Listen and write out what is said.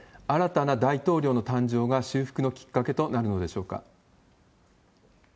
新たな大統領の誕生が修復のきっかけとなるのでしょうか。